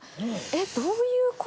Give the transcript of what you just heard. えっどういう事？